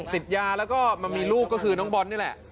ติดยาแล้วก็มามีลูกก็คือน้องบอลนี่แหละ